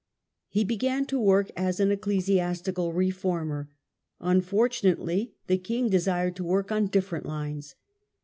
He began to work as an ecclesiastical reformer. Un fortunately the king desired to work on different lines.